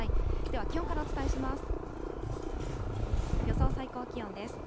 では、気温からお伝えします。